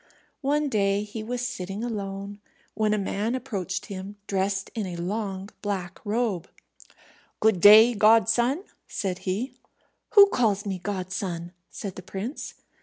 One day he was sitting alone, when a man approached him, dressed in a long black robe. "Good day, godson," said he. "Who calls me godson?" said the prince.